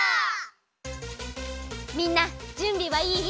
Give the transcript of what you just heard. みんなじゅんびはいい？